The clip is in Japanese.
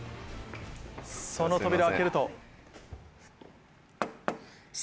その扉を開けると。